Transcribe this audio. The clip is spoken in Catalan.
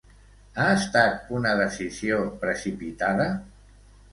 Ha estat una decisió precipitada?